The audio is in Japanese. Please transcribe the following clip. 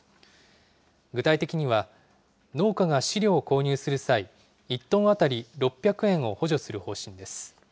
具体的には、農家が飼料を購入する際、１トン当たり６００円を補助する方針です。